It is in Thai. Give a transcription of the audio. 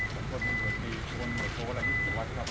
สวัสดีครับอ่า